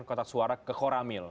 kotak suara ke koramil